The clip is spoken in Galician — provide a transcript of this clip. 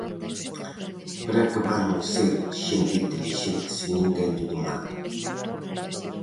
Para que van ser xente intelixente se ninguén llo demanda.